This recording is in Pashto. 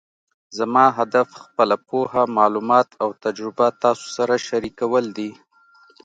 زما هدف خپله پوهه، معلومات او تجربه تاسو سره شریکول دي